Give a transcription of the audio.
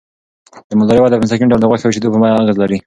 د مالدارۍ وده په مستقیم ډول د غوښې او شیدو په بیو اغېز لري.